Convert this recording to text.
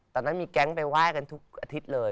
ตอนนั้นมีแก๊งไปไหว้กันทุกอาทิตย์เลย